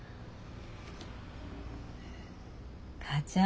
母ちゃん。